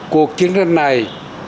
cuộc chiến tranh này